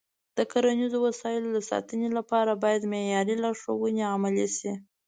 د کرنیزو وسایلو د ساتنې لپاره باید معیاري لارښوونې عملي شي.